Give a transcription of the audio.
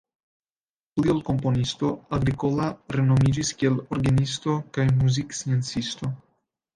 Pli ol komponisto Agricola renomiĝis kiel orgenisto kaj muziksciencisto.